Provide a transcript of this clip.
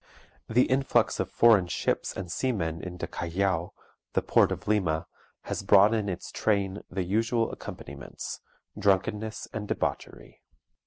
The influx of foreign ships and seamen into Callao, the port of Lima, has brought in its train the usual accompaniments, drunkenness and debauchery.